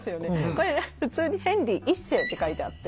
これ普通に「ヘンリー一世」って書いてあって。